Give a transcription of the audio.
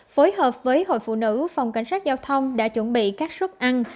phối hợp với hội phụ nữ phòng cảnh sát giao thông đã chuẩn bị các suất ăn